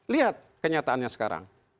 lihat kenyataannya sekarang